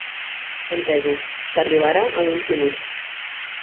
Entesos, t'arribarà en uns minuts.